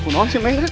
aku naon sih men